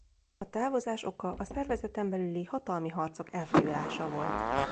A távozás oka a szervezeten belüli hatalmi harcok elfajulása volt.